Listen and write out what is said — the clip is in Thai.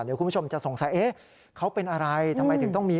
เดี๋ยวคุณผู้ชมจะสงสัยเอ๊ะเขาเป็นอะไรทำไมถึงต้องมี